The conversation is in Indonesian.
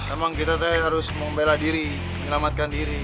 emang kita harus membela diri menyelamatkan diri